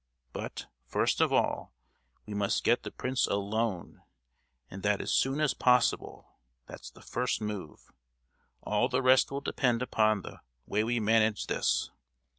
But, first of all we must get the prince alone, and that as soon as possible. That's the first move: all the rest will depend upon the way we manage this.